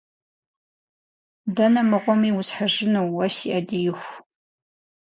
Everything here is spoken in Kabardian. Дэнэ мыгъуэми усхьыжыну, уэ си ӏэдииху?